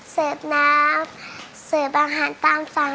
เสือบน้ำเสือบอาหารตามสั่ง